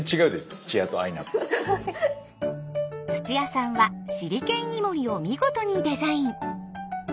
土屋さんはシリケンイモリを見事にデザイン。